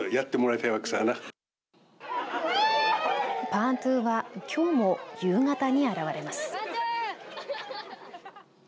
パーントゥはきょうも夕方に現れます。